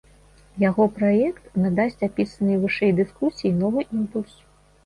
Яго праект надасць апісанай вышэй дыскусіі новы імпульс.